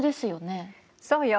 そうよ。